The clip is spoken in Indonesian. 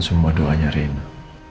semua doanya rena